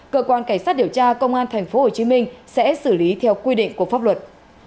cơ quan cảnh sát điều tra công an tp hcm sẽ xử lý theo quy định của pháp luật